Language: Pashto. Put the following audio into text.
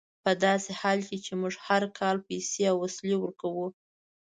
په داسې حال کې چې موږ هر کال پیسې او وسلې ورکوو.